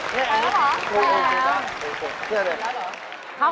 แหละหรือเปล่าแหละหรือเปล่าแหละหรือเปล่า